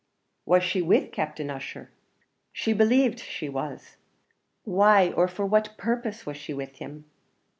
"Was she with Captain Ussher?" "She believed she was." "Why, or for what purpose, was she with him?"